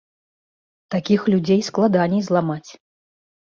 Такіх людзей складаней зламаць.